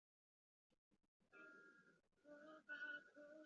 目前为止出有八张专辑。